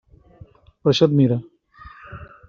Per això et mire.